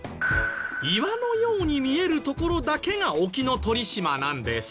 岩のように見えるところだけが沖ノ鳥島なんです。